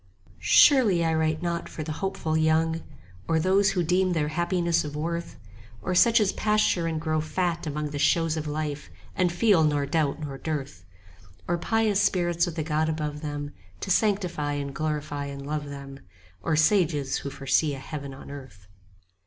Surely I write not for the hopeful young, 15 Or those who deem their happiness of worth, Or such as pasture and grow fat among The shows of life and feel nor doubt nor dearth, Or pious spirits with a God above them To sanctify and glorify and love them, 20 Or sages who foresee a heaven on earth.